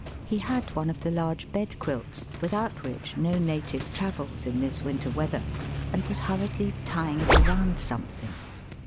He had one of the large bed quilts without which no native travels in this winter weather, and was hurriedly tying it around something.